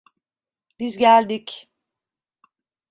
Biz geldik.